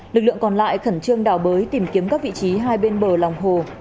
lực lượng còn lại khẩn trương đào bới tìm kiếm các vị trí hai bên bờ lòng hồ